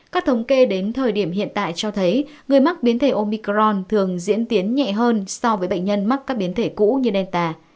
các thống kê đến thời điểm hiện tại cho thấy người mắc biến thể omicron thường diễn tiến nhẹ hơn so với bệnh nhân mắc các biến thể cũ như nền tảng